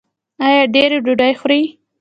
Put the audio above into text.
ایا ډیرې ډوډۍ خورئ؟